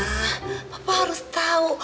ah papa harus tau